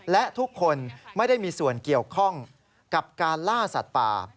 และทุกคนไม่ได้มีส่วนเกี่ยวข้องกับการล่าสัตว์ป่า